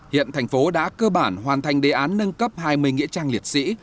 hiện thành phố đã cơ bản hoàn thành đề án nâng cấp hai mươi nghĩa trang liệt sĩ